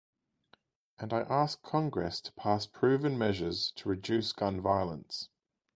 And I ask Congress to pass proven measures to reduce gun violence.